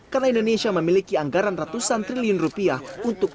karena indonesia memiliki anggaran ratusan triliun rupiah untuk